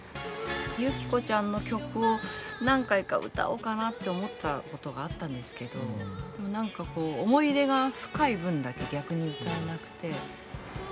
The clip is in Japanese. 有希子ちゃんの曲を何回か歌おうかなって思ったことがあったんですけどでもなんかこう思い入れが深い分だけ逆に歌えなくて。